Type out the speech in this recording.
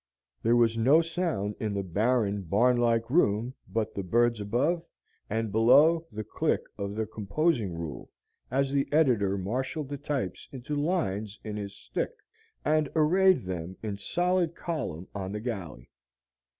There was no sound in the barren, barn like room but the birds above, and below the click of the composing rule as the editor marshalled the types into lines in his stick, and arrayed them in solid column on the galley.